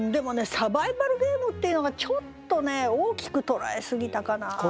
「サバイバルゲーム」っていうのがちょっとね大きく捉えすぎたかなという。